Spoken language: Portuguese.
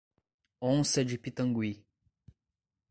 Onça de Pitangui